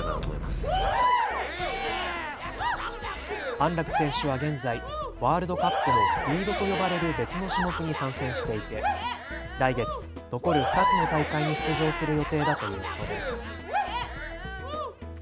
安楽選手は現在、ワールドカップのリードと呼ばれる別の種目に参戦していて来月、残る２つの大会に出場する予定だということです。